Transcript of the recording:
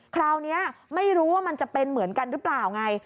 คราวนี้ไม่รู้ว่ามันจะเป็นเหมือนกันหรือเปล่าไง